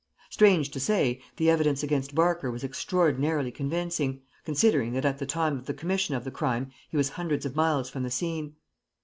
Strange to say, the evidence against Barker was extraordinarily convincing, considering that at the time of the commission of the crime he was hundreds of miles from the scene.